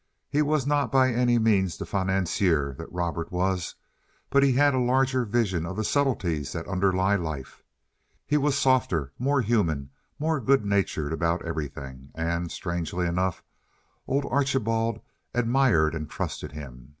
He was not by any means the financier that Robert was, but he had a larger vision of the subtleties that underlie life. He was softer, more human, more good natured about everything. And, strangely enough, old Archibald admired and trusted him.